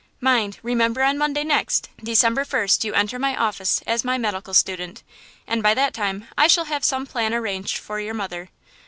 Mind, remember on Monday next, December 1st, you enter my office as my medical student, and by that time I shall have some plan arranged for your mother.